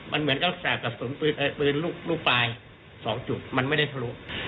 มันเหมือนรักษากับสนปืนลูกปลาย๒จุดมันไม่ได้พรุ่ง